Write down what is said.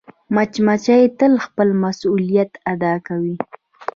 مچمچۍ تل خپل مسؤولیت ادا کوي